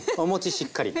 しっかりと。